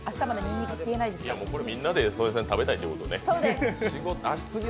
これ、みんなで食べたいということね。